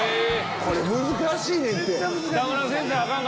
これ難しいねんて。